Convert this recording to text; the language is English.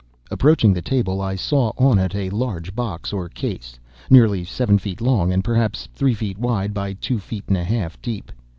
Approaching the table, I saw on it a large box, or case, nearly seven feet long, and perhaps three feet wide, by two feet and a half deep.